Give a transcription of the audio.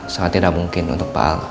sangat tidak mungkin untuk pak ahok